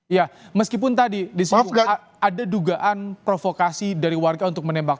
ya meskipun tadi disebut ada dugaan provokasi dari warga untuk menembak